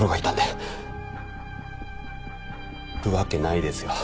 るわけないですよ。